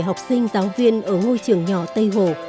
học sinh giáo viên ở ngôi trường nhỏ tây hồ